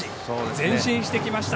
前進してきました。